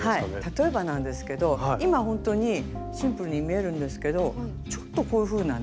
例えばなんですけど今ほんとにシンプルに見えるんですけどちょっとこういうふうなね